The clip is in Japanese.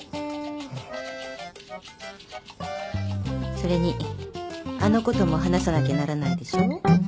それにあのことも話さなきゃならないでしょ？